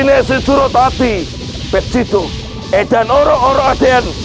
nasi surut hati pet situ edan orang orang adian